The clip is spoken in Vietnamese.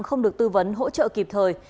không được tư vấn hỗ trợ kịp thời